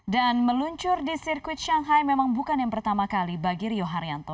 dan meluncur di sirkuit shanghai memang bukan yang pertama kali bagi rio haryanto